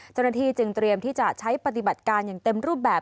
เจ้าหน้าที่จึงเตรียมที่จะใช้ปฏิบัติการอย่างเต็มรูปแบบ